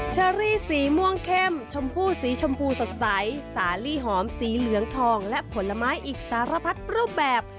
เชอรี่สีม่วงเข้มชมพู่สีชมพูสดใสสาลีหอมสีเหลืองทองและผลไม้อีกสารพัดรูปแบบ